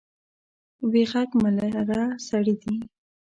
وې غږ مه لره سړي دي.